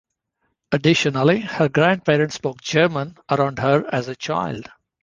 Additionally, her grandparents spoke German around her as a child.